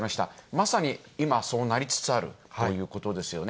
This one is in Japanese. まさに今、そうなりつつあるということですよね。